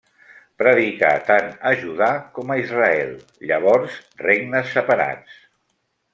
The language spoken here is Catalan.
Predicà tant a Judà com a Israel, llavors regnes separats.